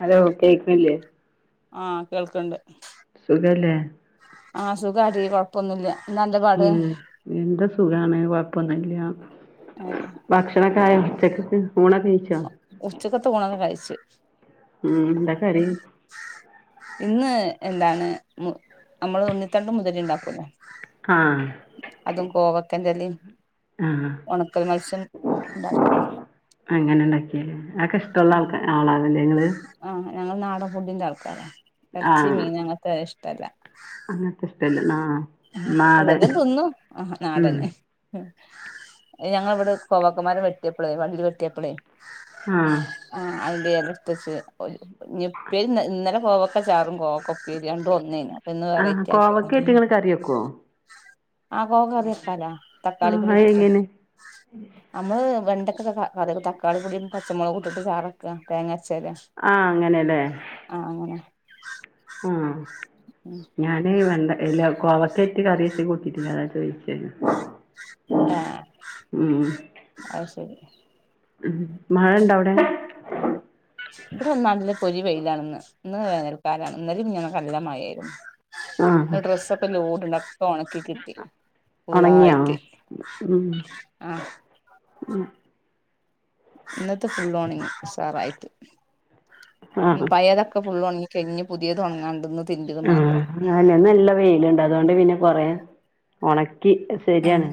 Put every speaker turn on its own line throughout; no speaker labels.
Hello കേക്കണില്ലെ
ആഹ് കേൾക്കണ്ട്
സുഖല്ലേ
ആഹ് സുഖാടി കൊഴപ്പൊന്നുല്ല്യ
ഉം എന്താ സുഖാണ് ഒന്നുല്യ [unintelligible] ണക്കായോ ഊണൊക്കെ കഴിച്ചോ
ഉച്ചക്കത്തെ ഊണൊക്കെ കഴിച്ചു
ഉം എന്താ കറി
ഇന്ന് എന്താണ് നമ്മള് ഉണ്ണിത്തണ്ട് മുതിര ഇണ്ടാക്കൂല്ലേ
ആഹ്
അതും കോവ എന്തലി
ആഹ്
ഉണക്ക മത്സ്യം ഉണ്ടാക്കിയതാ
ഉം ആക്കെ ഇഷ്ടമുള്ള ആൾക്ക ആളാനല്ലെനിങ്ങള്
ആഹ് ഞങ്ങൾ നാടൻ ഫുഡിന്റെ ആൾക്കാരാ ഇർച്ചി
ആഹ്
മീനങ്ങത്ര ഷ് തല്ല
അങ്ങനത്തെ ഇഷ്ടല്ല ആ നാട്
എല്ലാം
ഉം
ഞങ്ങ ഇവിടെ കോവാക്കുമാരം വെട്ടിയപ്പളേ വള്ളി വെട്ടിയപ്പളേ
ആഹ്
ആആയി കകടുത്തച്ച് പ്പേര് ഇന്നലെ കോവക്കെ ചാറും കോക്ക ഉപ്പേരിരണ്ട ഒന്ന് തന്ന അപ്പൊ ഇന്ന്
ആഹ്
വെറൈറ്റി ആക്കിയ താ.
കോവക്കേറ്റ് ഇങ്ങള് കറി വെക്കോ
ആ കോ അക്കാലോ തക്കാളി
ആഹ് അത്
ഇട്ടിട്ട്
എങ്ങനെ
നമ്മള് പതക്കാള തക്കാളീം കൂടെ മ്ചാറക്ക തേങ്ങ
ആഹ അങ്ങനെല്ലേ
ആ അങ്ങനെ
ആ
ഉം
ഞാനേ വേണ്ട എല്ല അ അവക്കത്തി കറിച്ച കൂട്ടിട്ടതാ ചോയിിച്ചേ
ആഅ ശരി
ഉ മഴ ഇണ്ട അവിടെ
ഇത്ര നാട്ടില് പൊലി വെയിലാണന്ന് ഇന്ന് വേനൽക്കാലാണ്ഇന്നലെയും മിനിഞ്ഞാന്നും നല്ല മഴ
ആ
ആയിരുന്നു ഡ്രെസ്സൊക്കെ ലോട്ടണ്ടക്കെ ഉണക്കി കിട്ടി
ഉണങ്ങിയോ
ഫുള്ളായിട്ട് ആ
ആ
ഇന്നത്തെ ഫുൾ ഓണിങ് ഉസാറായിട്ട്
ആ
ഉ പയതൊക്കെ ഫുള്ളോണ കെിഞ് പുതിയ തുടങ്ങാണ്ട്
ആ അന്ന നല്ല വെയിലണ്ട് അതുകൊണ്ട് പിന്നെ കൊറെ ഉണക്കി
ആഹ്
ശരിയാണ്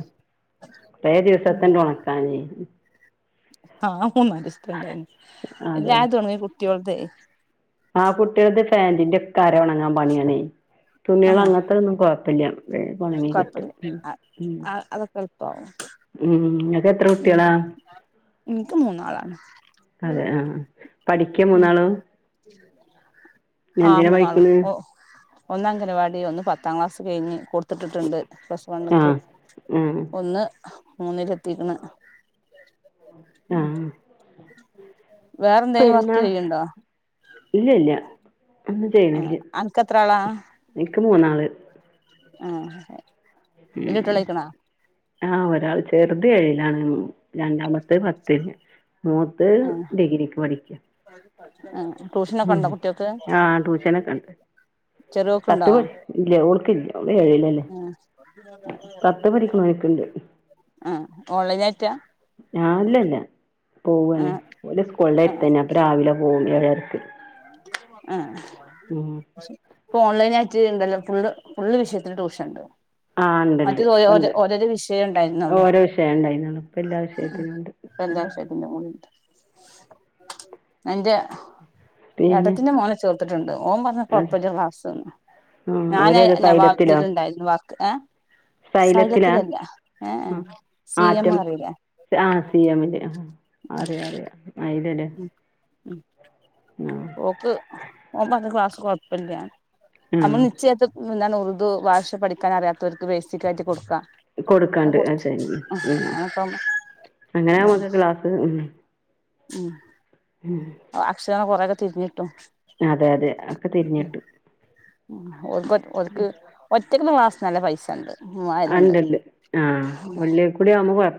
കുറേ ദിവസത്തിന്റെ ഉണക്കാനേ
ആഹ ഉ മണ്ടായിരുന്നു
അതെ
എല്ലാ തുടങ്ങ [inaudible]
പാാന്റിന്റെക്ക കാരെ ഉണങ്ങാൻ പണിയാണേ തുണികള
ആഹ്
അങ്ങത്തെ ഒന്നും കൊഴപ്പില്ല ഉണങ്ങി കിട്ടും
കൊഴപ്പല്ല അ അ അതൊക്കെ എളുപ്പാവും
ഉം നക്ക് എത്ര
ഉം
കുട്ടികളാ
ഇൻക്ക് മൂന്നാളാണ്
അതെ ആഹ പഠിക്ക
ഉം
മൂന്നാളോ [inaudible] നതിനാ പഠിക്കന്ന്
ഒന്നഗനവാടി ഒന്ന് പത്താം ക്ലാസ് കഴിഞ്ഞ് കൊട് ത്തിട്ട്ട്ട്ണ്ട് പ്ലസ്
ആ
വണ്ക്ക്
ആ
ഒന്ന് മൂന്നിലെത്തിക്ക്ണ്
ആ
വേറെന്തെലും വർക്ക്
പെരുന്നാൾ
ചെയ്യ്ണ്ടോ
ഇല്ല യില്ല ഒന്നും
ആ
ചെയ്യ്ണില്ല
അൻക്കെത്ര ആളാ
ഇൻക്ക് മൂന്നാള് [unintelligible]
ആ ഹെ ല്ല്യ കുട്ട്യേളായ്ക്ക്ണോ
ആ ഒരാൾ ചെറ്‌ത് ഏഴിലാണ് രണ്ടാമത്തെ പത്തയ്ഞ്ഞ് മൂത്ത്
ആ
ഡിഗ്രിക്ക് പഠിക്ക
ആ ട്യൂഷനൊക്കെ
ഉം
ഉണ്ടോ കുട്ട്യാക്ക്
ആ ട്യൂഷനൊക്കെ ണ്ട്
ചെറിയോക്ക്ണ്ടോ
പത്ത് പഠിച്ച് ഇല്ല്യ ഓക്കില്ല്യ
ആ
പത്ത് പഠിക്കണോനിക്കുണ്ട്
ആ ആ ഓൺലൈനായിട്ടാ
ആ അല്ലല്ല
ആ
പോവാണ് ഓലെ
ആ
സ്കൂൾൻ്റെട് തന്നെ അപ്പൊ രാവിലെ ഓം [unintelligible]
ആ പ്പൊൺലൈനായിട്ട് ഇണ്ടല്ലോ ഫുള്ള് ഫുള്ള് വിഷയത്തില് ട്യൂഷൻണ്ട്
ആഹ ഉണ്ട്ണ്ട്
മറ്റേത്
ഉണ്ട്
ഓരോരോ വിഷയം ഉണ്ടായിരുന്നുള്ളു
ഓരോ വിഷയം ഉണ്ടായിനൊള്ളൂ ഇപ്പെല്ലാ വിഷയത്തിനുണ്ട്
ഇപ്പ എല്ലാ വിഷയത്തിന്റെ കൂടി എന്റെ
പിന്നെ
ഏട്ടത്തിന്റെ മോനെ ചേർത്തിട്ട്ണ്ട് ഓംപർഞ്ഞെ
അത്
കൊയപ്പല്ല ക്ലാസെന്ന്
ആഹ്
ഞാന്
ഓരേതാ സൈലത്തിലോ
നവാതിലിണ്ടായിരുന്നു വ ഏ
സൈലത്തിലാ
സൈലത്തിലല്ല ഏ ഏ
ഉം
സി എം
ആറ്റം
അറിയില്ലേ
ആ സ എമില് അറിയ അറിയ ആ [unintelligible]
ഉം ഓക്ക് ഓം പറഞ്ഞ് ക്ലാസ് കൊഴപ്പില്ല
ആഹ്
അമ്മള് നിച്യ യാത്ത് എന്താണ് ഉറുദു ഭാഷ പഠിക്കൻ അറിയാത്തോർക്ക് ബേസിക്കായിട്ട് കൊടുക്ക
കൊടുക്കാണ്ട് അഅ ശെരി ഉം ഉം ഉം
അങ്ങനപ്പം
അങ്ങനെ
ഇതാണ്
മ്മക്ക് ക്ലാസ്സ് ഉം
ഉം ഓ അക്ഷരങ്ങ കൊ പ്രകത്തിരിന്നിട്ടും
അതെ അതെ ഒക്കെ തിരിഞ്ഞിട്ട്
ഉം ഒക്ക ഒക്ക് ഒ ഒറ്റയ്ക്ക്ന്ന് ക്ലാസിന് നല്ല പൈസ ഉണ്ട് മൂവായിരണ്ട്
ഉണ്ട് ഉണ്ട് ആഹ വല്ലിയ കൂടി ആവുമ്പോ കൊഴ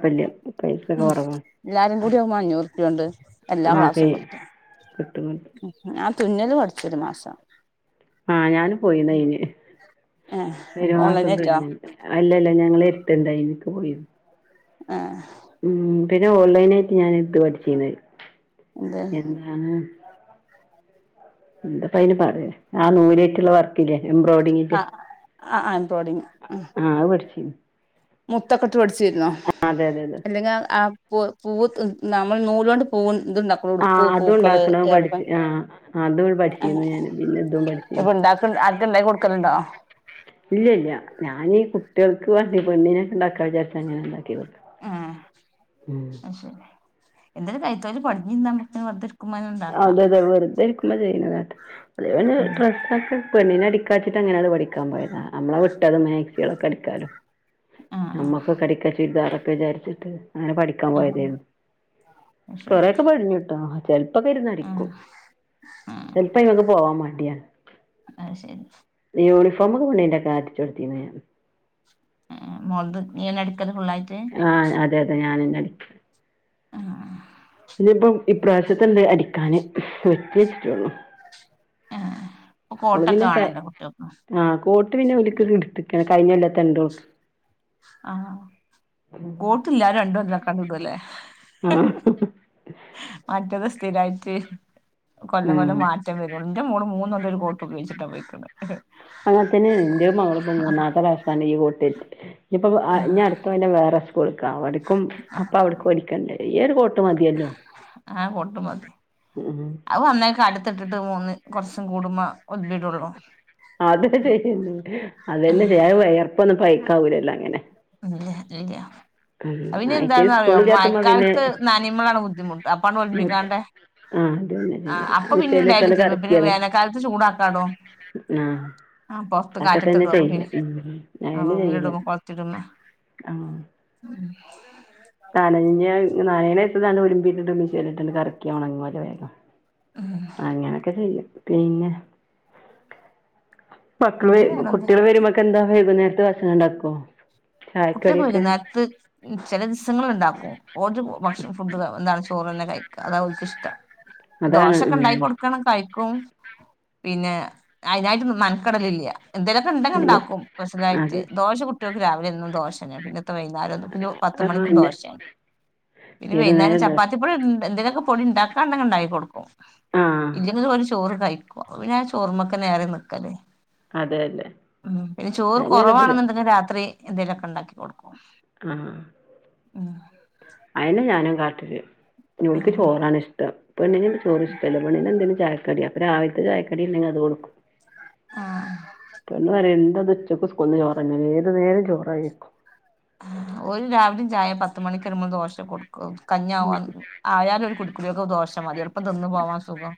എല്ലാരും കൂടി ആകുമ്പോ അഞ്ഞൂറ് റുപ്യാണ്ട് എല്ലാ
ആഹ്
ക്ലാസും
ചെയ്യും
കിട്ടും
കിട്ടും
ആ തുന്നത് പടിച്ചൊരു മാസം
ആ ഞാനും പോയിന് ഒരു മാസം
ഓൺലൈനായിട്ടോ
[unintelligible] അല്ലല്ല ഞങ്ങള് ട്ടണ്ടായിനിക്ക് പോയിത്
ആഹ
ഉം പിന്നെ ഓൺലൈനായിട്ട് ഞാൻ ഇത് പഠിച്ചിന്ന്
എന്ത്
എന്താണ് എന്തപ്പ അയിന് പറയാ ആ നൂലായിട്ടുള്ള വർക്കില്ലേ എംബ്രോയ്ഡിങ്ന്റെ
ആഹ് ആഹ്
ആഹ് അത് പഠിച്ചു
മുത്തക്ക ഇട്ട് പഠിച്ചിരുന്നോ
അതെ അതെ അതെ
അല്ലെങ്കി അ ആഹ് പൂ പൂവ് തു നമ്മൾ നൂല് കൊണ്ട് പൂൺ-
ആഹ് അതും ഉണ്ടാക്കണം അത് പഠിച്ച് ആഹ് അതും പഠിച്ചിരുന്നു ഞാന് പിന്നിതും
ഇപ്പൊ
പഠിച്ചിരുന്ന്
ഇണ്ടാക്ക ആർക്കും ഇണ്ടാക്കി കൊടുക്കലുണ്ടോ
ഇല്ലല്ല ഞാനീ കുട്ടികൾ ക്ക് വേണ്ടി ബെണി നെണ്ടാക്കുന വിചാരിച്ച ഞാനൊണ്ടാക്കി കൊടുക്കാൻ ആ
എന്തായാലുംകൈത്തൊഴില് പഠിഞ്ഞിരുന്നമുക്ക് പത്ത്
അതതെ വെറുതെരിക്കുമ്പോ ചെയ്യണതാണ്. [inaudible] [unintelligible]
ഉം
ഡ്രസ്സൊക്കെ പെണ്ണിനെടുക്കാച്ചിട്ട അങ്ങനത് പ ഠിക്കാൻ പോയതാ. നമ്മള വിട് ട്ടത് മാക്സിമം കട്ക്കാലോ
ആഹ്
നമ്മക്കൊക്കെ അടിക്കാ ചുരിദാറ് വിചാരിച്ചിട്ട് അങ്ങനെ പഠിക്കാൻ
ആഹ് ആഹ്
പോയതേരുന്നു.
അത് ശരി
കൊറേക്കെ പഠിഞ്ഞു ട്ടോ. ശെരി പ്പോക്കെ ഇരുന്നടിക്കും
ആഹ് ആഹ്
ചെലപ്പോ ഇൻക്ക് പോവാൻ മ ട്യാ
അത് ശരി
യൂണിഫോമൊക്കെ ഉണ്ണിന്റെ ഒക്കെ അടിച്ചു കൊടുത്തിന്ന് ഞാന്
അന്ത് നീയെന്നെ അടി
ആ അതെ അതെ ഞാനന്നേ അ
ആ ആ
ഉറ്റ്ച്ചിട്ട്ള്ളൂ
ആഹ് ഇപ്പൊ
മ്മള്
കോട്ടൊക്കെ
പിന്നെ ക്കെ
വേണല്ലോ കുട്ടികൾക്ക്
ആ കോട്ട് പിന്നെ ഓര്ക്ക്‌ ഒക്കെ എടുത്ത്ക്കാണ്. കഴിഞ്ഞൊല്ലത്തെ ഇണ്ടോ?
ആ കോട്ടില്ലാരും രണ്ടോല്ലോക്കെ അങ്ങട് ഇടുംല്ലേ.
ആഹ്
മറ്റത് ത്തിരായിട്ട് കൊല്ലം കൊല്ലം
ആഹ്
മാറ്റം വരോള്ളു. ന്റെ മോള് മൂന്നോ ഒര് കോട്ട് ഉപയോഗിച്ചിട്ടാ പോയിക്ക്ണ്.
അങ്ങനെത്തന്നെയാണ്. ന്റെ മകളും ഇപ്പോ മൂന്നാത്തെ പ്രാവശ്യാണ് ഈ [unintelligible] തെറ്റ് ഇപ്പത് ആ ഞ് അടുത്ത കൊല്ലം വേറേ ത്തേക്ക വട് ക്കും
ആ
അപ്പോ അവിടെക്ക്‌ വേടിക്കണ്ടേ? ഏത് കോട്ട് മതിയല്ലോ
ആ കോട്ട് മതി.
ഉം
അത് വന്നേക്ക അടുത്തിട്ടിട്ട് മൂന്ന് കുറച്ചും കൂടുമ്പോ ഒലിമ്പിടുള്ളൂ
അതിട്ടിട്ട് അത് ഇല്ലില്ല. അത് വേയർപ്പേണ് അത് സയി കൗലല്ലാം അങ്ങനെ
ഇല്ല ഇല്ല
ആഹ്
പിന്നെ
ആഴ്ചയിൽ
എന്താന്ന്റിയോ
സ്കൂളില്ലാത്തുമ്പോ പിന്നെ
മഴക്കാലത്ത് നാനയമ്മളാണ് ബുദ്ധിമുട്ട് അപ്പാണ് ഒലിമ്പിക്കാണ്ട്
ആഹ് അതന്നെ
ആ
ചെയ്യല്
അപ്പൊ പിന്നെണ്ടായും
മിഷീനിലിട്ടാണ്ട്
തീരു പിന്നെ
കറക്കിയാ മതി
വേനൽക്കാലത്ത് ചൂടാക്കാടും
ആഹ്
ആ പുൊറത്ത്
അതൊക്കെ തന്നെ
കാറ്റത്തിടും അ
ചെയ്യല്
പിന്ന
ഉം
റൂമിലിടുമ്പോ കൊറത്തി ഇടമ്പോ
ആഹ നാന നാനേനെ ഇത് ഒളിമ്പറ്റ് മിിട്ടിണ്ട് കറക്കിയോണംല വേക്കം അങ്ങനൊക്കെ ചെയ്യും പന്നെ മക്കള്
പിന്നെ വേറെന്താ
കുട്ടികൾ വരുമ്പോൊക്കെ എന്താ വൈകുന്നേരം ഭക്ഷണംഉണ്ടാക്കോ
കുട്ടിയക്കെ പോയിക്കുന്ന നേരത്ത് ചില ദിവസങ്ങളിൾ ഉണ്ടാക്കും ഓജ ഭക്ഷ ഫുഡ് എന്താണ് ചോറന്നെ കഴിക്കുക അതാ അവൾക്ക് ഇഷ്ടം
അതാണ്
ദോശൊക്കെ
ഉം
ഉണ്ടാക്കി കൊടുക്കണം കഴിക്കും പിന്നെ അതിനായിട്ട് മെനക്കടൽ ഇല്ല എന്തേലൊക്കെ ഉണ്ടെങ്ങിൽ
അതെ
ഉണ്ടാക്കും സ്പെഷ്യലായിട്ട്
അതെ
ദോശ കുട്ടികൾക്ക് രാവിലെ എന്നും ദോഷനേ പിന്നെ വൈകുന്നേരം പത്ത്
ആഹ്
മണിക്കും
അന്നെ
ദോശയാണ് പിന്നെ
ഏത് നേരം
വൈകുന്നേരം
ഇണ്ടാ
ചപ്പാത്തിപ്പൊടി എന്തെങ്കുമൊക്കെ പൊടി ഉണ്ടാക്കും കൊടുക്കും
ആഹ്
ഇല്ലെന്ന് ചോറ് കഴിക്കുവ പിന്നെ ചോറുമൊക്കെ നേരെ നിക്കലു
അതെ അതെ
ഉം പിന്നെ ചോറ്
അതെന്നെയാണ്
കുറവാണെന്നുണ്ടെങ്കിൽ രാത്രി എന്തേലു ഉണ്ടാക്കി കൊടുക്കും
ആ
ഉം
[inaudible]
ആഹ്
ചോറാണ് ഇഷ്ടം പെണ്ണിന് ചോറ് ഇഷ്ടല്ല പെണ്ണിന് ചായക്കടി അപ്പൊ രാവിലത്തെ ചായക്കടി ഇണ്ടെങ്കിൽ അത് കൊടുക്കും
ആഹ്
പെണ്ണ് പറയുന്ന ഇന്ന് ഉച്ചക്ക് സ്കൂളിന്ന് ചോറു തന്നെ ഏത് നേരം ചോറുകഴിക്കും
ഒരു രാവിലയുംചായ പത്ത് മണിക്കു വരുമ്പോൾ ദോശ കൊടുക്കും കഞ്ഞാവാൻ ആയാലും ഒരു കൊടുക്കും ദോഷ മതി എുളുപ്പം തിന്നു പോവാൻ സുഖം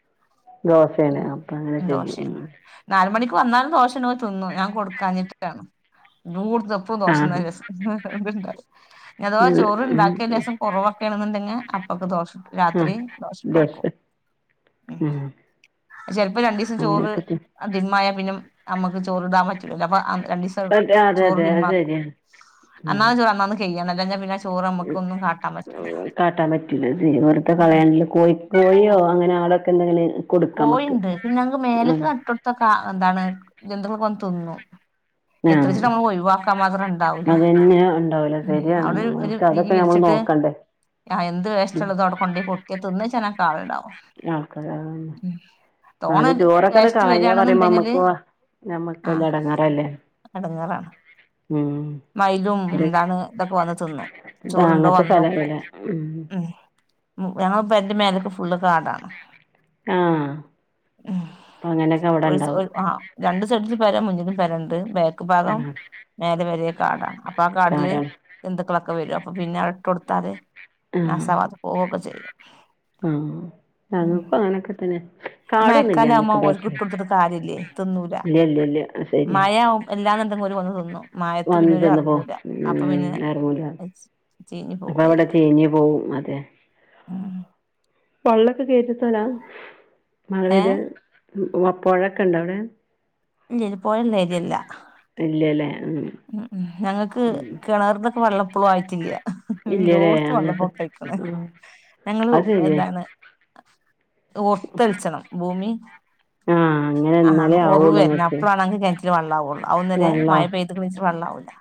ദോശേണ് അപ്പൊ അങ്ങനെ ചെയ്യും
ദോഷയ
ഉം
നാലു മണി ഇപ്പ വന്നാലും ദോഷ ഉണ്ടേൽ തിന്നും ഞാൻ കൊടുക്കാഞ്ഞിട്ടാണ് അപ്പവും ദോശയും
ആഹ്
തിന്നാൻ അധവാ
ഉം
ചോറ്
ഉം
ഉണ്ടാക്കിയാൽ രസം കുറവ് ഒക്കെ ആണേൽ- അപ്പോൾ ഒക്കെ ദോശ രാത്രി
ആഹ്
ദോശ ചുട്ടു കൊടുക്കും ഉം ചിലപ്പോ രണ്ടു ദിവസം ചോറ്
അങ്ങനെയൊക്കെ ചെയ്യും
അധികം ആയാൽ പിന്നെ - നമ്മുക്ക് ചോറ് ഇടാൻ പറ്റൂലല്ലോ അപ്പോൾ
അതെ അതെ അതെ അത് ശരിയാണ് ഉം
അന്നാജോ അന്നക്ക് [inaudible] ചെയ്യാണെന്ന് വെച്ചാ പിന്നെ ചോറ് നമ്മക്ക് ഒന്നും കാട്ടാൻ പറ്റൂല
കാട്ടാൻ പറ്റൂല വെറുതെ
ഉം
കളയണിൽ കോഴി കറിയോ അങ്ങനെ ആ എന്നാല്
കോഴിണ്ട് പിന്നെ ഞങ്ങക്ക് മേലേക്ക് അ ഇട്ടെടുത്താ കാ എന്താണ് തിന്നും എത്ര ശ്രമിച്ചിട്ടും
ആഹ്
നമ്മൾ ഒഴിവാക്കാൻ മാത്രം ഉണ്ടാവൂല
അതന്നെ ഉണ്ടാവൂല ശരിയാണ്
അവിടെ ഒരു
നമ്മക്ക് അതൊക്കെ നമ്മള്
വിരിച്ചിട്ട്
നോക്കണ്ടേ
എന്ത് വേസ് റ്റ് ഉള്ളതും അവിടെ കൊണ്ട് തട്ടിയാ തിന്ന് [unintelligible] ക്കാള്ണ്ടാകും [unintelligible]
എന്തൊരു ആൾക്കാരാ
തോനെ
ന്നാലും ചോറൊക്കെ
വേസ്റ്റ്
കാളയാപറയുമ്പോ
വരാണെന്നുണ്ടെങ്കില്
നമ്മക്ക് ഞമ്മക്കല്ലേ
ആഹ്
എടങ്ങാറല്ലേ
എടങ്ങേറാണ് മയിലും എന്താണ് ഇതൊക്കെ വന്ന് തിന്നു ചോറണ്ടോ
അങ്ങനത്തെ
വന്ന് നോക്കും
സ്ഥലാവൂല
ഉം മ് ഞങ്ങളെ പെരന്റെ മേലേക്ക് ഫുള് കാടാണ്
ആഹ് അപ്പൊ അങ്ങനെയൊക്കെ അവിടെ ഉണ്ടാവും
ഒരു ആ രണ്ട്സൈടിൽ പരമുന്ന് [inaudible] പെരണ്ട് ബാക്കും ഭാഗം
ഉം
മേലേ വരെ കാടാണ് അപ്പൊ ആ കാട്ടിലെ
കാടാണ്
ജന്തുകൾ വരും അപ്പ പിന്നെ ഇട്ട് കൊടുത്താല് ന സാവാതെ പോവൊക്കെ ചെയും
ആ ഞങ്ങൾക്കും അങ്ങനൊക്കെ തന്നെ കാടൊന്നുല്ല
മഴക്കാല
ഞങ്ങക്ക്
ആവുപ്പോൾഒൽക്ക്
ബാക്കില്
ഇട്ടടുത്തിട്ട് കാര്യല്ല തിന്നൂല
ഇല്ല ഇല്ല ഇല്ല ശരിയാണ്
മഴ എല്ലാന്നുണ്ടെങ്കിൽ ഒരു വന്ന് തിന്നും മഴത്ത് പിന്നെ
വന്ന്
ഒരു
ചെന്ന് പോവും
അറങ്ങൂല അപ്പൊ പിന്നെ
ഉം എറങ്ങൂല
ചീഞ്ഞ്
അപ്പൊ
പോവ്യ
അവിടെ
ചെയ്യ
ചീഞ്ഞ് പോവും അതെ
ഉഹ
വള്ളൊക്കെ കേയറ്റിത്തോലാ മറവിത്
ഏഹ്
പുഴൊക്കെ ഇണ്ട അവിടെ
ഉ [inaudible] പോയ രിയല്ല
ഇല്ലല്ലേ ഉം
[inaudible] ഉംഹ് ഞങ്ങൾക്ക് കിണറിന്റെൊക്കെ വെള്ളപ്പൊള
ഇല്ലല്ലേ
ആയിട്ടില്ലല്ലോടുത്ത്
അങ്ങനത്തെ
വെള്ളപ്പൊളൊക്കെ ആയിക്കണ്
ആഹ്
ഞങ്ങള്
അത് ശരിയാ
എന്താണ് ഒത്തലിച്ചണം ഭൂമീ
ആഹ് അങ്ങനെ
ആഹ്
എന്നാലേ
ഉറവ്
ആവുള്ളൂ
വരുന്ന
ഇങ്ങക്ക്
അപ്പഴാണെങ്കിൽ കിണച്ചില് വെള്ളമാവുള്ളൂ അന്ന നേരെ
വെള്ളോ
മഴ പെയ്തിക്കൽ വെള്ളം ആവൂില്ല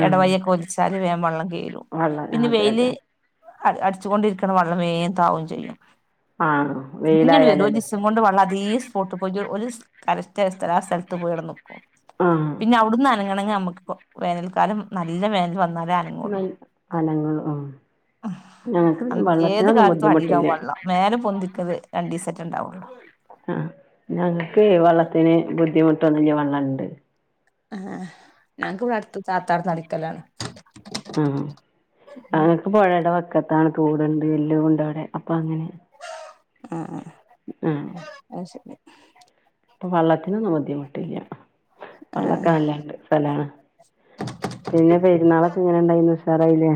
ആഹ്
ഇടവഴ ഒക്കെ ഒലിച്ചാല് വേ വെള്ളം കലും
വെള്ളം ആ,
പിന്നെ
അതെ
വെയില്
അതെ
അഹ് അടിച്ചുകൊണ്ടിരിക്കണ വെള്ളംമേതാവും ചെയ്യും
ആഹ്
ഇങ്ങന വരോ
വെയിലായാലല്ലേ
ജിസം കൊണ്ട് വള്ളതീസ് ഫോട്ട് ഒരു ഒരു കല സ്സ്ഥല ആ സ്ഥലത്ത് പോയി ഇടന്നു
ആഹ്
പിന്നെ അവിടന്നാ നുക്ക് വനൽക്കാല നല്ല വേനൽ വന്ന്
നല്ല അലങ്ങളും ഉ ഞങ്ങക്ക്
ഏത്
വെള്ളത്തിനൊന്നും ബുദ്ധിമുട്ടില്ല
രണ്ടിസെറ്റ് ഉണ്ടാവുള്ളൂ
ആഹ്ആ ഞങ്ങൾക്കെ വെള്ളത്തിന് ബുദ്ധിമുട്ട് തൊന്നല് വള്ളണ്ട്
ആ ഞങ്ങക്ക് ഇവിടെ അടുത്ത സാത്താട നടിക്കലാണ്
ആഹ അങ്ങൊക്ക് പുഴയുടെ വക്ക അത്താണ് തൂടുണ്ട് എല്ലണ്ട് അവ്ടെ അപ്പം അങ്ങനെ
ആഹ്ആ
ആഹ്ആ പ്പൊ വള്ളത്തിനൊ ഒന്നും ബുദ്ധിമുട്ടില്ല വളളക്കെ
ആഹ്
നല്ലണ്ട് സ്ഥലാണ് പിന്നെ പെരുന്നാളൊക്കെ ഇങ്ങനെ ഇണ്ടായിന്ന് ഉഷാറായില്ലേ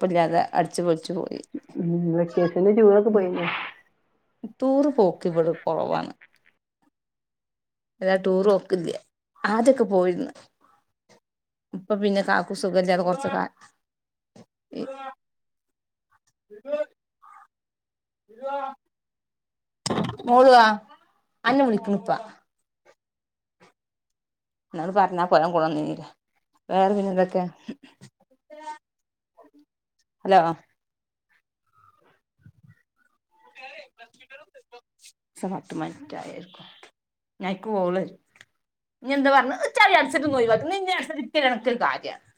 അപ്പല്ലാതെ അടിച്ചു പോച്ചു
ഉ വെക്കേഷന്റെ ചൂടൊക്കെ പോയിന്ന
തൂറ് പോക്ക് ഇവിടെ കുറവാണ് ഇല്ലാ ടൂറ് പോക്കില്ല ആദ്യയൊക്കെ പോയിര്ന്ന് ഇപ്പൊ പിന്നെ കാക്കു സുഖല്ലാതെ കൊറച്ച് ക വാ മോള് വാ [unintelligible] വേറെ പിന്നെ എന്തൊക്കെയ ഹലോ [inaudible]